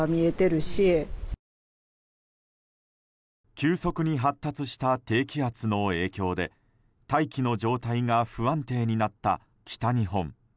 急速に発達した低気圧の影響で大気の状態が不安定になった北日本。